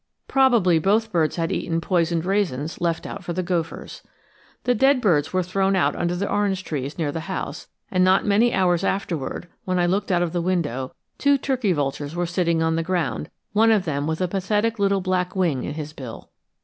Probably both birds had eaten poisoned raisins left out for the gophers. The dead birds were thrown out under the orange trees near the house, and not many hours afterward, when I looked out of the window, two turkey vultures were sitting on the ground, one of them with a pathetic little black wing in his bill.